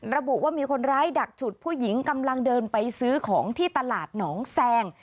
ระบุว่ามีคนร้ายดักฉุดผู้หญิงกำลังเดินไปซื้อของที่ตลาดหนองแซง